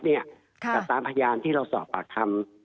แต่ตามพยานที่เราสอบปากคำ